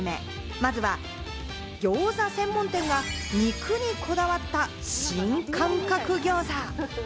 まずはギョーザ専門店が肉にこだわった新感覚ギョーザ。